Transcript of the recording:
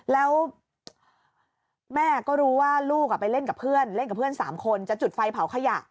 แล้วแม่ก็รู้ว่าลูกไปเล่นกับเพื่อน๓คนจะจุดไฟเผาขยะ